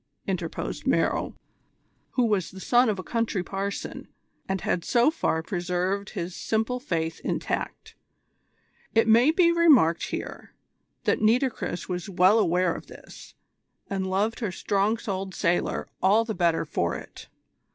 interposed Merrill, who was the son of a country parson and had so far preserved his simple faith intact. It may be remarked here, that Nitocris was well aware of this, and loved her strong souled sailor all the better for it.